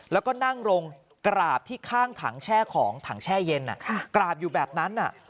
แล้วก็นั่งลงกราบที่ข้างถังแช่ของถังแช่เย็นกราบอยู่แบบนั้น